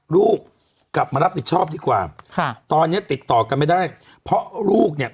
ลูกกลับมารับผิดชอบดีกว่าค่ะตอนเนี้ยติดต่อกันไม่ได้เพราะลูกเนี่ย